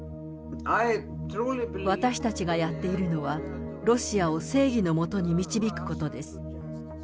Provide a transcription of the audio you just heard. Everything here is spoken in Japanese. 私たちがやっているのは、ロシアを正義のもとに導くことです。